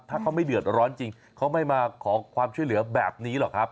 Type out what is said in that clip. ถ้าเขาไม่เดือดร้อนจริงเขาไม่มาขอความช่วยเหลือแบบนี้หรอกครับ